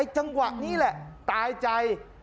จังหวะนี้แหละตายใจ